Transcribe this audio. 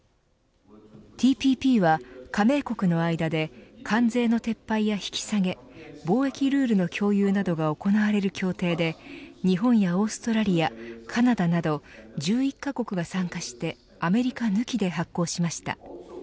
ＴＰＰは加盟国の間で関税の撤廃や引き下げ貿易ルールの共有などが行われる協定で日本やオーストラリアカナダなど１１カ国が参加してアメリカ抜きで発効しました。